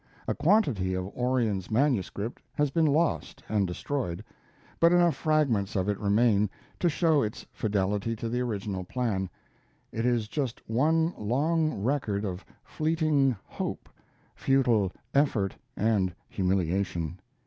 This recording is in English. A quantity of Orion's manuscript has been lost and destroyed, but enough fragments of it remain to show its fidelity to the original plan. It is just one long record of fleeting hope, futile effort, and humiliation.